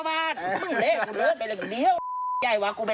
ไม่เที่ยวเวลาค่าหรอก๙๐บาท